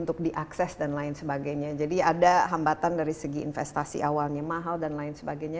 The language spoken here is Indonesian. untuk diakses dan lain sebagainya jadi ada hambatan dari segi investasi awalnya mahal dan lain sebagainya